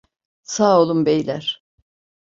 Sağ olun beyler.